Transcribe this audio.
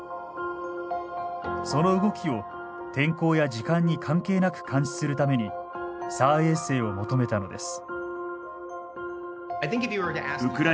その動きを天候や時間に関係なく監視するためにＳＡＲ衛星を求めたのです。